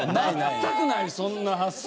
全くないそんな発想。